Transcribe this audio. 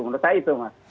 menurut saya itu mas